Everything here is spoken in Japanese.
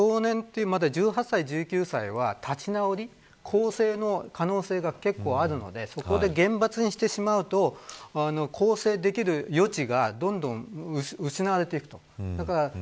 ところが少年というと１８歳、１９歳は立ち直り、更生の可能性が結構あるのでそこで厳罰にしてしまうと更生できる余地がどんどん失われていくと。